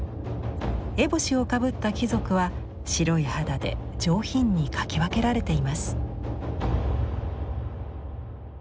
烏帽子をかぶった貴族は白い肌で上品に描き分けられています。